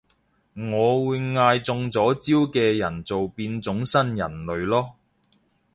我會嗌中咗招嘅人做變種新人類囉